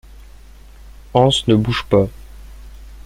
Hans ne bouge pas.